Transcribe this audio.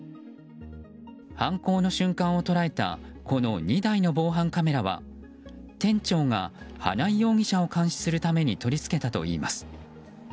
犯行の瞬間を捉えたこの２台の防犯カメラは店長が花井容疑者を監視するために取り付けたといいます。